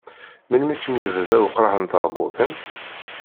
Melmi i kem-id-yebda uqraḥ n tɛebbuḍt-im?